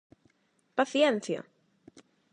Paciencia!